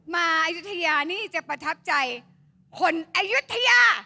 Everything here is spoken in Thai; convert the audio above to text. อายุทยานี่จะประทับใจคนอายุทยา